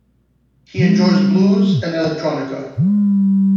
He enjoys blues and electronica.